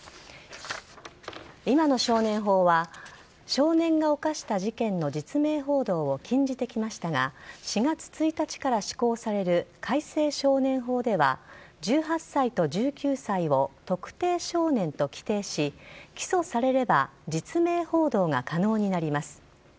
今の少年法は少年が犯した事件の実名報道を禁じてきましたが４月１日から施行される改正少年法では１８歳と１９歳を特定少年と規定し起訴されれば実名報道が可能になります。